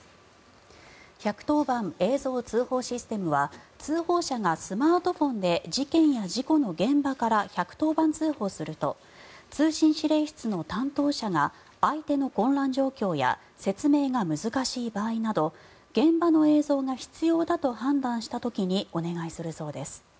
１１０番映像通報システムは通報者がスマートフォンで事件や事故の現場から１１０番通報すると通信指令室の担当者が相手の混乱状況や説明が難しい場合など現場の映像が必要だと判断した時にお願いするそうです。